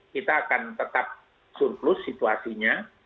kita akan tetap surplus situasinya